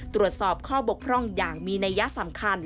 ตรวจสอบข้อบกพร่องอย่างมีนัยยะสำคัญ